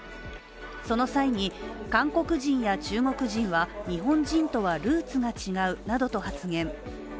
その際に、韓国人や中国人は日本人とはルーツが違うなどと発言。